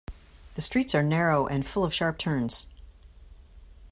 The streets are narrow and full of sharp turns.